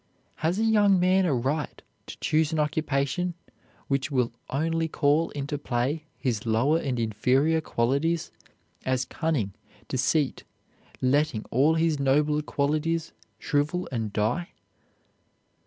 Has a young man a right to choose an occupation which will only call into play his lower and inferior qualities, as cunning, deceit, letting all his nobler qualities shrivel and die?